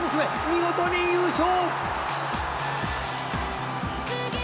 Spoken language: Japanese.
見事に優勝！」